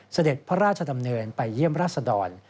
เสด็จพระราชดำเนินไปเยี่ยมราชดร